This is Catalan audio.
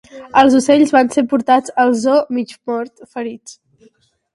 Els ocells van ser portats al zoo mig mort, ferits.